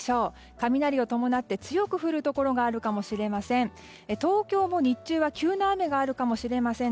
雷を伴って強く降るところがあるかもしれません。